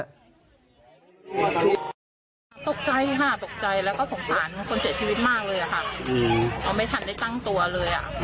ตกใจค่ะตกใจแล้วก็สงสารคนเสียชีวิตมากเลยค่ะเอาไม่ทันได้ตั้งตัวเลยอ่ะ